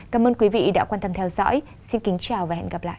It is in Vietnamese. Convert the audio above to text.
cảm ơn quý vị đã quan tâm theo dõi xin kính chào và hẹn gặp lại